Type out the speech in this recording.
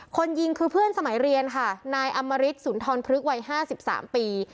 คนยิงคือเพื่อนสมัยเรียนค่ะนายอมริตสุนทรพฤกษ์วัย๕๓ปี